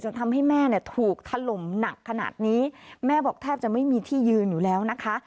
ทำให้แม่เนี่ยถูกถล่มหนักขนาดนี้แม่บอกแทบจะไม่มีที่ยืนอยู่แล้วนะคะ